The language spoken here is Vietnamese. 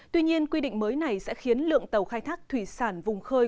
tuy nhiên quy định mới này sẽ khiến lượng tàu khai thác thủy sản vùng khơi